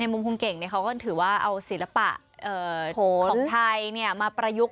มุมคุณเก่งเขาก็ถือว่าเอาศิลปะของไทยมาประยุกต์